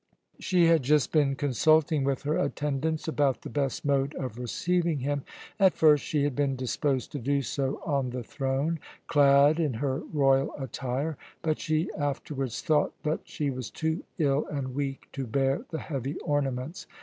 She had just been consulting with her attendants about the best mode of receiving him. At first she had been disposed to do so on the throne, clad in her royal attire, but she afterwards thought that she was too ill and weak to bear the heavy ornaments.